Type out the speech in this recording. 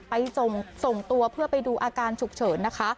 ไปส่งตัวเพื่อไปดูอาการฉุกเฉินนะคะ